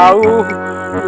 saya tidak tahu